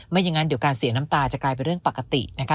อย่างนั้นเดี๋ยวการเสียน้ำตาจะกลายเป็นเรื่องปกตินะคะ